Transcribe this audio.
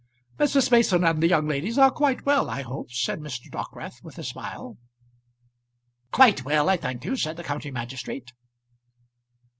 "Mr. Mason and the young ladies are quite well, I hope?" said Mr. Dockwrath, with a smile. "Quite well, I thank you," said the county magistrate.